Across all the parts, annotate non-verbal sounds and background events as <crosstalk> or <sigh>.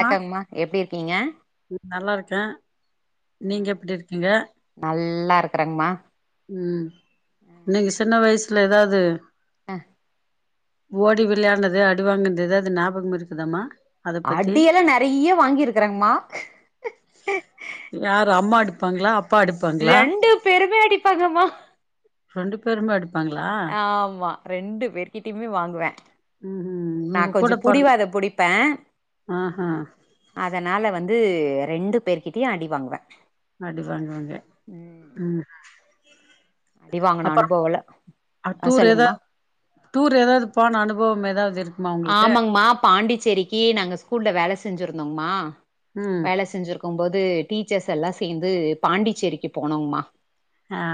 மா எப்பிடி இருக்கீங்க த நீங்க எப்படி இருக்கீங்க நல்லா இருக்கறேங்கமா உம் நீங்க சின்ன வயசு ல ஏதாவது அ ஓடி விளையாடினது அடிவாங்கனது அது ஞாபகம் இருக்குதாம்மா அடியெல்லாம் நிறைய வாங்கிருக்கிறாங்கமா ப்பாங்களா ரெண்டு பேர்மே அடி பாங்கமா ரெண்டு பேருமே அடி ஆமா ரெண்டு பேர்கிட்டயுமே வாங்குவே ம் ம் உங்க நான் கூட கொஞ்சம் பொறந் புடிவாதம் புடிப்பே ஆஹா அதனால வந்து ரெண்டு பேருகிட்டயே அடி வாங்குவே அடி வாங்குவாங்க ம் ம் அடி வாங்குனா அனுபவம்ல அ டூர் சொல்லுங்கமா ஏதாவது டூர் ஏதாவது போன அனுபவம் ஏதாவது இருக் ஆமாங்கம்மா பாண்டி சேரிக்கி நாங்க ஸ்கூல்ல வேல செஞ்சிருந்தோங்கமா ம் வேல செஞ்சிருக்க இருக்கும் போது டீச்சர்ஸ் எல்லாம் சேர்ந்து பாண்டிச்சேரிக்கு போனோங்கமா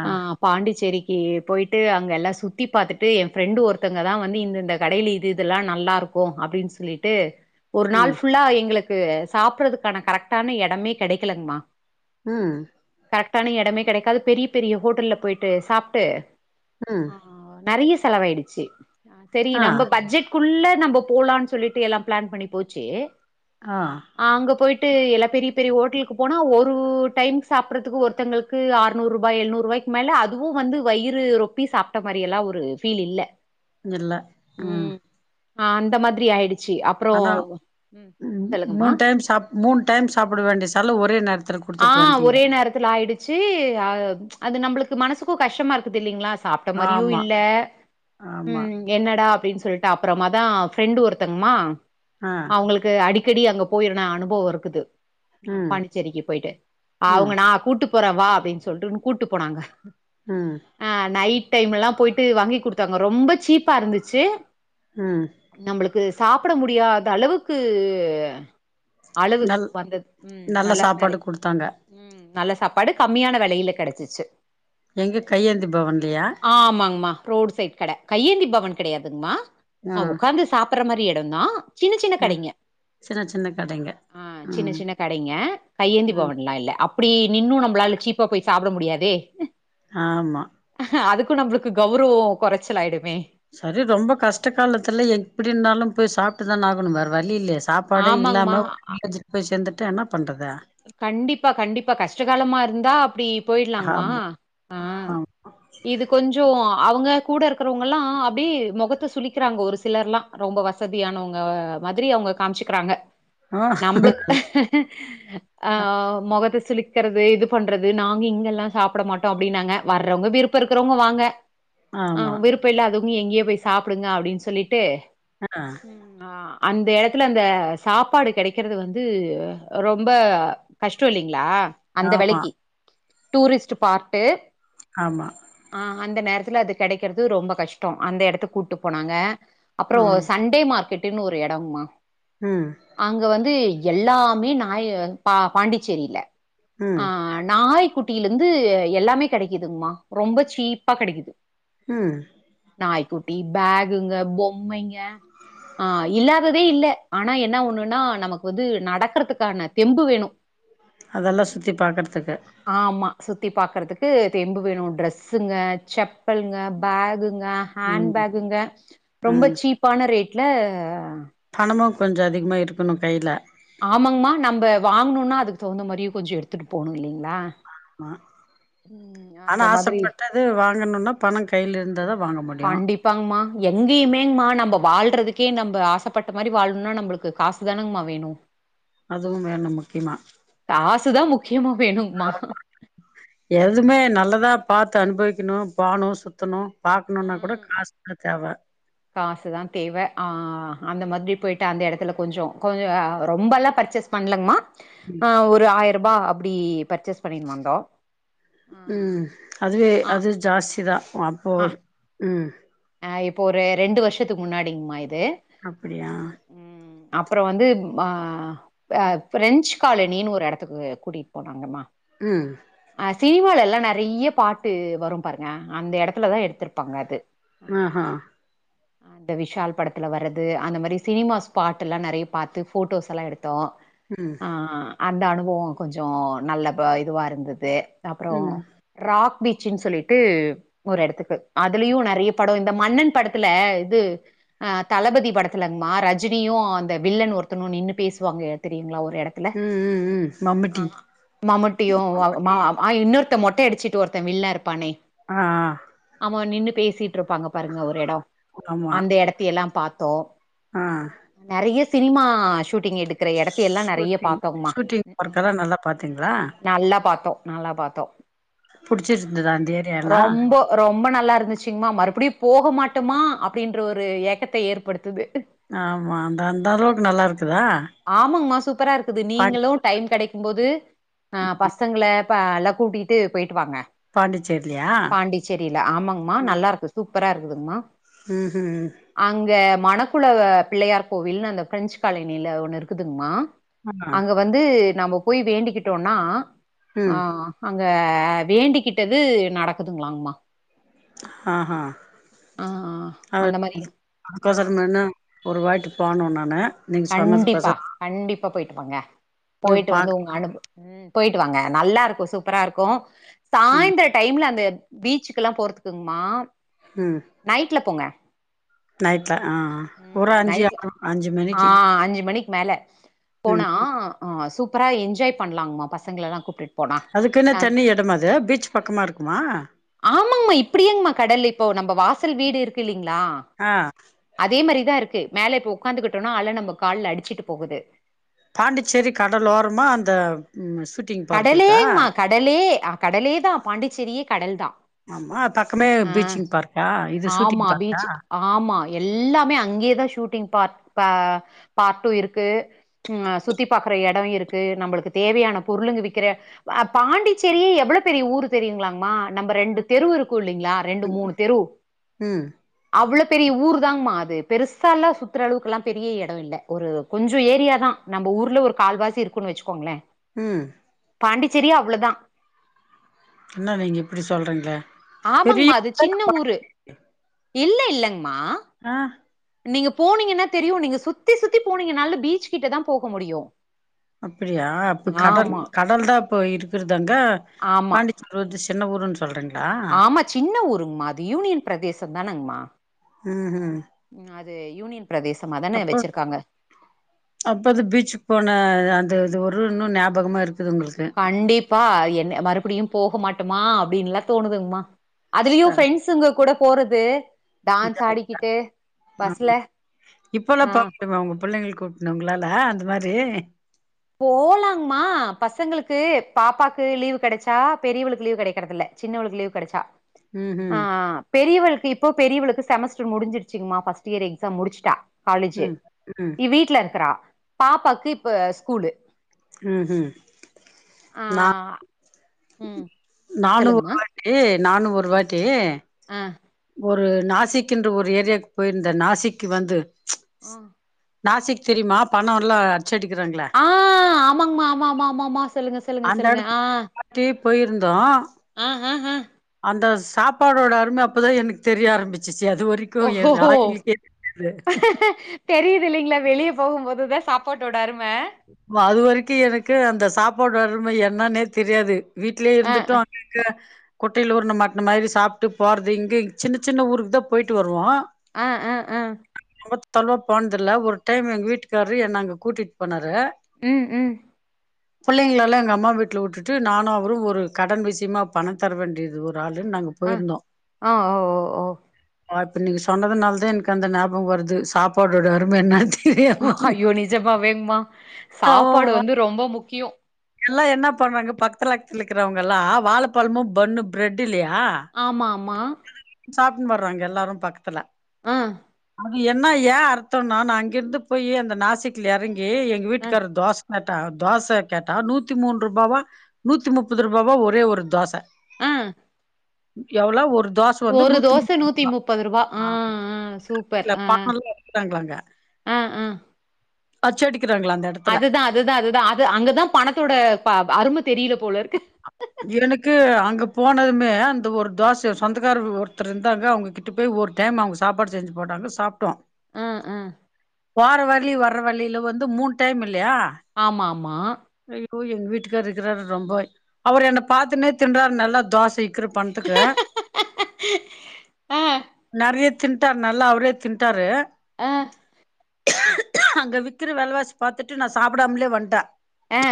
ஆ பாண்டிச்சேரிக்கு ஏ போயிட்டு அங்கெல்லாம் சுத்தி பாத்துட்டு என் ஃப்ரெண்டு ஒருத்தங்க தான் வந்து இந்த இந்த கடையில இது இதெல்லாம் நான் நல்லா இருக்கும் அப்பிடின்னு சொல்லிட்டு ஒரு நாள் ம் ஃபுல்லா எங்குளுக்கு னக்கு சாப்பறதுக்கான கரெக்டான எடமே கெடைக்கலங்கமா ம் கரெக்டான எடமே கடைக்காது பெரிய பெரிய ஹோட்டல்லல போயிட்டு சாப்புட்டு ம் ஆ நறைய செலவாயுடுச்சு செரி ஆ நம்ம பட்ஜெட் புள்ளா நம்ம போலாம்னு சொல்லிட்டு எல்லாம் பிளான் பண்ணி போச்சு ஆ அங்க போயிட்டு ட்டு எல்லாம் பெரிய பெரிய ஹோட்டலுக்கு போனா ஒரு டைம் சாப்பறதுக்கு ஒருத்தவங்களுக்கு அறுநூறு ரூபாய் எழுநூறு ரூபாய்க்கு மேல அதுவும் வந்து வயிறு ரொப்பி சாப்பிட்ட மாதிரி எல்லாம் ஒரு ஃபீல் இல்ல இல்ல ம் ஆ அந்த மாதிரி ஆயிடுச்சு அப்புறோ ஆனா ம் மூன் டைம்ஸ் மூன் டைம்ஸ் சாப்ட வேண்டிய சால்ல ஒரே நேரத் ஆ ஒரே நேரத்துல ஆயிடுச்சு அஹ் அது நம்பளுக்கு மனசுக்கும் கஷ்டமா இருக்குது இல்லைங்களா சாப்ட்ட மாரியு ஆமா இல்ல ஆமா உம் என்னடா டின்னு சொல்லிட்டு அப்புறமா தான் ஃப்ரெண்டு் ஒருத்தங்க மா ஆ அவங்களுக்கு அடிக் க்கடி அங்க போயிருன அனுபவோ இருக்குது ஆ ம் பாண்டிச்சேரிக்கு ம் அவங்க நா கூட் கூட்டு போற வா அப்டின் சொல்ட்டுன் கூட்டு போனாங்க ம் ஆ நைட் டைம்லலா போயிட்டு வாங்கி குடுத்தாங்க ரொம்ப சீப்பா இருந்துச்சு ம் நம்புளுக்கு சாப்புட முடியாத அளவுக்கு அளவு வந்த ம் நல்லா நெறைய தாங்க நல்ல சாப்பாடு கம்மியான வெலையில கெடச்சிச்சு எங்க கையேந்தி பவன்லையா ஆமாங்கம்மா. ரோடு சைட் கட கையேந்தி பவன் கிடையாதுங்மா ஆ அ உக்காந்து சாப் ப்பற மாரி எடோ தா சின்ன சின்ன ஆ கடைங்க சின்ன சின்ன கடைங்க அ சின்ன ம் சின்ன கடைங்க கையேந்தி ம் பவன்லா இல்ல அப் அப்படி நின்னும் நம்மளால சீப்பா போய் சாப்ட முடியாதே ஆமா அதுக்கு நம்புளுக்கு கௌரவோ கொறச்சலாயிடு சரி ரொம்ப கஷ்ட காலத்துல எப்டின்னாலு போய் சாப் ட்டு தான ஆகனும் வேற வழி இல்லயே சாப்பாடே ஆமாங்கம்மா. இல்லாம <unintelligible> போய் சேந் இத என்ன பண்ற கண்டிப்பா கண்டிப்பா கஷ்டகாலமா இருந்தா அப்டி போயிட்லாங்க்மா ஆமா அ இது கொஞ்சோ அவங்க கூட இருக்குறவங்கல்லா அப்டே மொகத்த சுலிக்கிறாங்க ஒரு சிலர் லாம் ரொம்ப வசதியானவங்க மாதிரி அவங்க காமிச்சுகறாங்க ஆமா நம்பளுக் ஆ மொகத்திஸ் சுழிக்றது இது பண்றது நாங்க இங்கெல்லா சாப்ட மாட்டோ அப்டின்னாங்க வரவங்க விருப்போ இருக்குறவங்க வாங்க ஆ ஆமா விருப்ப இல்லாதுக் நீ எங்யோ போய் சாப்டுங்க அப்டின் சொல்லிட்டு ஆ ம் ஆ அந்த எடத்துல அந்த சாப்பாடு கெடைக்கறது வந்து ரொம்ப கஷ்டோ இல்லிங்ளா அந்த ஆமா வெலைக்கி டூரிஸ்ட்டு பார்ட்டு ஆமா ஆ அந்த நேரத் துல அது கெடைக்கறது ரொம்ப கஷ்டொ அந்த எடத்து கூட்டு போனாங்க அப்றோ ஆ சண்டே மார்க்கெட் அப்டின் ஒரு எடொம்மா ம் அங்க வந்து எல்லாமே நாய பா பாண்டிச்சேரில ஆ ம் நாய் குட்டிலெந்து எல்லாமே கெடைக்குதுங்மா ரொம்ப சீப்பா கெடைக்குது ம் நாய்குட்டி பேகுங்க பொம்மைங்க <inaudible> ஆ இல்லாதது தே இல்ல ஆனா என்னா ஒன்னுனா நமக்கு வந்து நடக்றத்துக்கான தெம்பு வேணு <inaudible> அதெல்லா சுத்தி பாக்கர்துக்கு ஆமா சுத்தி பாக்கர்த்துக்கு தெம்பு வேணு ட்ரெஸ்ஸுங்க செப் பல்குங்க பேகு ங்க ஹேண்ட் ம் பேங்குங்க ரொம்ப சீப்பான ரேட் ட் ல பணமா கொஞ்சோ அதிகமாக இருக்கணு கைல ஆமாங்மா நம்ம வாங்ணுனா அதுக்கு தகுந்த மாரியு கொஞ்சோ எடுத்துட் போணு இல்லைங்ளா ஆமா ஆனா மாதிரி ஆசப்பட்டது வாங்கணுனா பணோ கைல இருந்ததா வாங்க முடியு எங்கியுங்மேம்மா நம்ப வாழ்றதுக்கே நம்ப ஆசப்பட்ட மாரி வாழ்ணுனா நம்புளுக்கு காசுதானங்மா வேணு அதுவு வேணு முக்கியமா கியமா ஆமா எதுமே நல்லதா பாத்து து அனுபவிக்கணு பானு சுத்துணு பாக்குணுனா கூட காசு தா தேவ காசுதா தேவ ஆ அந்த மாதிரி போயிட்டு அந்த எடத்துல கொஞ்சோ கொஞ் ஆ ரொம்பலா பர்ச்சேஸ் பண்லங்மா ஆ ஒரு ஆய பிரபா அப்டி பர்ச்சேஸ் பண்ணின்னு வந்தோம் ம் அதுவே ஆ அது ஜாஸ்திதா அப்போ ம் அ இப்ப ஒரு ரெண்டு வர்ஷத்துக்கு முன்னாடிங்மா இது அப்படியா து <inaudible> அப்றம் வந்து மா அ ஃப்ரெஞ்சு காலணின் ஒரு எடத்துக்கு கூட்டிட் போனாங்கம்மா ம் சினிமாலலா நறைய பாட்டு வரு பாருங்க அந்த எடத்துலதா எடுத்துருப்பாங்க அது ஆ ஹா அந்த விஷால் படத்துல வர்ரது அந்த மாரி சினிமா ஸ்பாட்டுலா நறைய பாத்து ஃபோட்டோஸ் எல்லா எடுத் த்தோ ம் ஆ அந்த அனுபவோ கொஞ்சோ நல்ல ப இதுவாக இருந்துது அப்ரோ ம் ராக் பீச் சின்னு சொல்லிட்டு ஒரு எடத்துக்கு அதுலயு நறைய படொ இந்த மன்னன் படத்துல இது அ தளபதி படத்துலங் மா ரஜினியு அந்த வில்லன் ஒருத்தனு நின்னு பேசுவாங்க தெரியுங்ளா அந்த எடத்துல ம் ம் ம் ஆ மம்முட்டி மம்முட்டியு வா மா இன்னொருத் த்த மொட்டை அடிச்சிட்டு ஒருத்தே வில்ல இருப்பானே ஆ ஆ அ நின்னு பேசிப் ட்ருப்பாங்க பாருங்க ஒரு எடோ ஆமா அந்த எடத்த எல்லா பாத் தோ ஆ நறைய சினிமா ஷூட் ட்டிங் எடுக்குற எடத்தை யெல்லா நறைய ஷூட்டிங் பாத்தோ ங்மா ஷூட்டிங் ஒர்க்கெல்லா நல்லா பாத்தீங்களா நல்லா பாத்தோ நல்லா பாத்தோ அ புடிச்சிருந்ததா அந்த ஏரியால்லா ரொம்போ ரொம்ப நல்லாருந்துச்ங்மா மறுப அப்டி போக மாட்டமா அப்டின்ற ஒரு ஏக்கத்த ஏற்படுத்துது ஆமா அந்த அந்த அளவுக்கு நல்லாருக்குதா சூப்பராருக்குது நீங்களு டைம் கெடைக்கும் போது அ பசங்கள ப ல்லா கூட்டி கிட்டு போய்ட் டுவாங்க பாண்டிச்சேரிலயா பாண்டிச்சேரில ஆமாங்மா நல்லாருக்கு சூப்பராருக்குதுங்மா ம் ஹூம் மணக்குல பிள்ளையார் கோவில்னு அந்த பிரெஞ்ச் காலனில ஒன்னு இருக்குதுங்மா ஆமா அங்க வந்து நம்ப் போய் வேண்டிக்கிட்டோனா அ ம் அ அங்க வேண்டிக்கிட்டது நடக்குதுங்களாமா அ ஹா அ <inaudible> அந்த மாரி ஆ ஒருவாட்டி போனு நானு நீங்க கண்டிப்பா சொன்னதுக்கோசரோ கண்டிப்பா போயிட் பங்க போய் போயிட்டு வந்து பாக்கலா உங்க அனுபு ம் போயிட்டு வாங்க நல்லா இருக்கு சூப்பரா இருக்கு ம் சாயந்ர டைம்ல அந்த பீச்சுக்குல்லா போறதுக்குங்மா நைட்ல போங்க நைட் அ ஆ ம் ஒரு அஞ்சு நைட்ல ஆ அஞ்சு ஆ மணிக்கு ம். அஞ்சு மணிக்கு மேல போனா ம் ஆ சூப்பராக என்ஜாய் பண்ணலாங்ம்மா பசங்லல்லா கூப் அதுக்குனு தண்ணி எடமாது அது பீச் பக்கமா இருக்குமா ஆமாமா இப்டியங்ம்மா கடல் இப்போ நம்ப வாசல் வீடுக் இருக்குல்லி ங்ளா ஆ அதே மாரிதா இருக்கு மேல இப்ப உக்காந்துகுட்டனா அல நம்ப கால்ல அடிச்சிட்டு போகுது பாண்டிச்சேரி கடல் ஓரமா அந்த ஷூட்டிங் பார்க் இருக்கா கடலேங்மா கடலே கடலே தா பாண்டிச்சேரியே கடல் தா ஆமா பக்கமே அ பீச்சிங் பார்க்கா இது ஷூட்டிங் ஆமா பார்க்கா பீச் ஆமா எல்லாமே அங்யேதா ஷூட்டிங் பார் ப பார்ட்டு இருக்கு ம் சுத்தி பாக்குற எடோ இருக்கு நம்மளுக்கு தேவயான பொருளுங்க விக்கிற பாண்டிச்சேரியே எவ்ளோ பெரிய ஊர் தெரியுங்ளாமா நம்ப ரெண்டு தெருவ் இருக் கு இல்லிங்ளா ரெண்டு மூணு தெரு ம் அவ்ளோ பெரிய ஊர் தாங்கமா அது பெருசால்லா சுற்றுற அளவுக்குலா பெரிய எடோ இல்ல ஒரு கொஞ்ச ஏரியா தா நம்ம ஊர்ல ஒரு கால்வாசி இருக்குன்னு வச்சுக்கோங்ளே ம் பாண்டிச்சேரிய அவ்ளோதா என்ன நீங்க இப்டி சொல்கிறீங்ளே ஆமங்மா அது சின்ன ஊரு இல்ல இல்லங்மா அ நீங்க போனீங்கன்னா தெரியு நீங்க சுத்தி சுத்தி போனீங்கனால பீச் கிட்ட தா போக முடியு அப்பிடியா அப்ப கடல் ஆமா கடல் தான் இப்ப இருக்கறதாங்க ஆமா பாண்டிச்சூர் வந்து சின்ன ஊருன்னு சொல்றீங்களா ஆமா சின்ன ஊருங்கமா அது யூனியன் பிரதேச தானங்கமா ம் ம் ஆ து யூனியன் பிரதேசமா தானே அப்ப வச்சிருக்காங்க அப்பது பீச்சுக்கு போன அ இது ஒரு இன்னு ஞாபகமா இருக்கு கண்டிப்பா என்ன மறுபடியு போக மாட்டோமா அப்படின்னுல்லா தோணுதுங்கம்மா அதுலயு ஆ பிரரெண்ட்ஸுங்க கூட போறது டான்ஸ் ஆடிக்கிட்டு பஸ்ல ஆ கூடணுங்களால அந்த மாதிரி போலாங்கமா பசங்களுக்கு பாப்பாக்கு லீவு கிடைச்சா பெரியவளுக்கு லீவு கிடைக்கறதல சின்னவளுக்கு லீவு கிடைச்சா ம் ம் ஆ பெரியவள் இப்போ பெரியவளுக்கு செமஸ்டர் முடிஞ்சிருச்சுங்கமா ஃபர்ஸ்ட் இயர் எக்ஸா முடிச்சுட்டா காலேஜு ம் ம் இ வீட்டுல இருக்கிறா பாப்பாக்கு இப்ப ஸ்கூலு உம் உம் நா உம் நானு ஒருவாட்டி நானு ஒருவாட்டி ஆ ஒரு நாசிகின்ற ஒரு ஏரியாவுக்கு போயிருந்த நாசிக்கு வந்து நாசிக் தெரியுமா பண்ணம்ல ஆ ஆமாங்க்மா ஆமாஆமா ஆமாமா சொல்லுங்க சொல்லுங்க அந்த சொல்லுங்க எடத்து ஆ வாட்டி போயிருந்தோ ஆ ஆ ஆ அந்த சாப்பாடோட அரும அப்போதா எனக்கு தெரிய ஆரம்பிச்சு சரி அது வரைக்கு ஓஹோஹோ <unintelligible> தெரியுது இல்லைங்களா வெளிய போகும்போது தா சாப்பாட்டோடா அரும் அதுவரைக் கி எனக்கு அந்த சாப்பாடு அறும என்னனே தெரியாது வீட்லேயே ஆ இருந்துட்டு அங்க இங்க குட்டையையில ஊர்ன மட்ட மாதிரி சாப்பிட்டு போறது இங்க சின்ன சின்ன ஊருக்கு தா போயிட்டு வருவோ ஆ ஆ ஆ ரொம்பத்தளவா போனதுல ஒரு டைம் எங்க வீட்டுக்காரரு என்ன அங்க கூட்டிட் பண்ணாரு ம் ம் புள்ளைங்கைள்ளாம் எங்க அம்மா வீட்ல வுட்டுட்டு நானும் அவுரும் ஒரு கடன் விஷயமா பணம் தர வேண்டியது இரு அ ஆ ஓ ஓ ஓ வாழ்த்துனு நீ சொன்னதுனால தான் எனக்கு அந்த ஞாபகம் வருது சாப்பாடறோத அருமை என்ன ஹ தெரியாம ஐயோ நிஜமாவே மா சாப்பாடு ஆமா வந்து ரொம்ப முக்கியம் எல்லாம் என்ன பண்றாங்க பக்கத்துலக்கத்துல இருக்கறவங்க எல்லாம் வாழப்பழமும் பண்ணு பிரெட் இல்லையா ஆமா ஆமா மா ஷாப்பிங் வறாங்க எல்லாரும் பக்கத்துல ஆ அது என்ன ஏன் அர்த்தம்னா நான் அங்கிருந்து போயி அந்த நாசிக்ல எறங் ஏய் எங்க ஆ வீட்டுக்கார் தோச கேட்டா தோச கேட்டா நூத்தி மூன்று ரூபாவா அது. நூத்தி முப்பது ரூபாவா ஒரே ஒரு தோச ஆ எவ்ளோ ஒரு தோச வந்து ஒரு ரூ. தோச நூத்தி முப்பது ரூபா ஆ ஆ சூப்பர் வீட்ல ஆ பணம்லாம் ஆ ஆ அச்சோடிக் அதுதா அதுதா அதுதா அது அங்கதான் பணத்தோட அ அரும தெரியல போல இருக்கு. இவுனுக்கு அங்க போனது மே அந்த ஒரு தோச சொந்தக்காரர் ஒருத்தர் இருந்தாங்க அவுங்க கிட்ட போய் ஒரு டைம் அவுங்க சாப்பாடு செஞ்சு போட்டாங்க சாப்டோம் ஆ ஆ வார வழி வர வழியில வந்து மூணு டைம் இல்லையா மா ஐயோ எங்க வீட்டுக்காரு இருக்கறாரு ரொம்ப அவர் என்ன பாத்துன்னே தின்றாரு நல்லா தோச சீக்கிரம் பண்த்துக்கு அ, நறைய தின்றார் நல்லா அவுரே திண்ட்டாரு ஆ அங்க விக்கிற வெலவாசி பாத்துட்டு நான் சாப்டாமலே வந்த்தேன் ஆ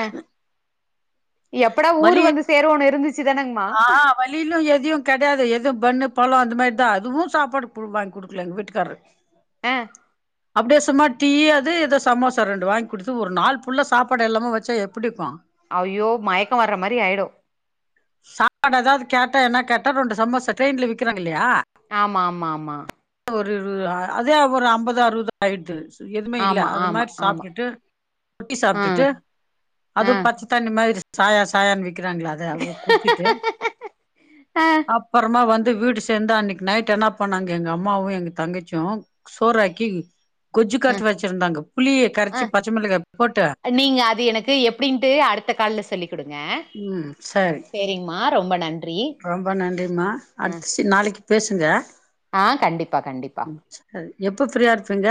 எப்படா ஊரு வலி வந்து சேருவோன்னு இருந்துச் ஆ வலி இல்லங்கே இதயும் கடையாது எதும் பண்ணு பழம் அந்த மாதிரிதான் அதுவும் சாப்பாடு புல்லா வாங்கி கொடுக்கல எங்க வீட்டுக்காரரு ஆ அப்பிடியே சும்மா டீ அது இதோ சமோசா ரெண்டு வாங்கி குடுத்து ஒரு நாலு ஃபுல்லா சாப்பாடு இல்லாம வச்சா எப்பிடி இருக்கும் ஐயோ மயக்க வர்ற மாரி ஆயிடும் சாப்பாடு ஏதாவது கேட்டா என்ன கேட்டா ரெண்டு சமோச ட்ரெயின்ல விக்கிறாங்க இல்லையா ஆமா ஆமா ஆமா ஒரு அதே ஒரு அம்பது அறுவது ஆயிடுது எதுமே இல்ல ஆமா, அது ஆமா, மாரி ஆமா. சாப்டுட்டு ரொட்டி அ, சாப்டுட்டு அ. அதுவு பச்ச தண்ணி மாதிரி சாயா சாயன் விக் இருக்கிறாங்களா அத குடிச்சிட்டு அ, அப்பறமா வந் வீடு சேர்ந்து அன்னக்கு நைட் என்ன பண்ணாங்க எங்க அம்மாவு எங்க தங்கச்சியு சோறாக்கி கொஜு கரச் வச்சிருந்தாங்க புளிய அ, அ. கரைச்சி பச்ச மிளகாய போட்டு நீங்க அது ங்க ம் சரி சரிங்கமா ரொம்ப நன்றி ரொம்ப நன்றிமா அ. அடுத்தச்சி நாளைக்கு பேசுங்க ஆ கண்டிப்பா, கண்டிப்பா. எப்ப ஃபிரீயா இருப்பீங்க